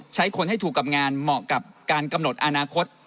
ใช้คนให้ถูกกับงานเหมาะกับการกำหนดอนาคต